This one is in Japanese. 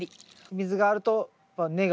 水があると根が。